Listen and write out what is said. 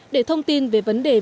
để thông tin về vấn đề vi phạm